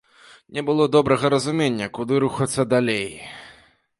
Не было добрага разумення, куды рухацца далей.